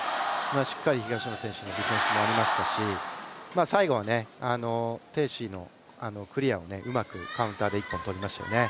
しっかり東野選手のディフェンスもありましたし最後は鄭思緯のクリアをうまくカウンターで１本取りましたよね。